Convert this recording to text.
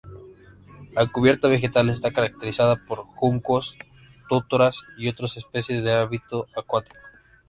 La cubierta vegetal está caracterizada por juncos, totoras y otras especies de hábito acuático.